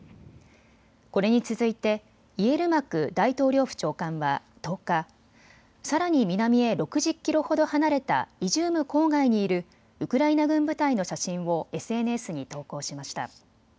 これに続いてイエルマク大統領府長官は１０日、さらに南へ６０キロほど離れたイジューム郊外にいるウクライナ軍部隊の写真をＳＮＳに投稿しました。